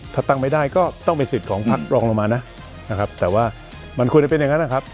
ถ้าตั้งไม่ได้ก็ต้องเป็นสิทธิ์ของพักรองลงมานะนะครับแต่ว่ามันควรจะเป็นอย่างนั้นนะครับ